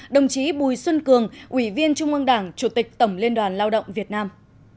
đồng chí bùi xuân cường ủy viên trung ương đảng chủ tịch tổng liên đoàn lao động việt nam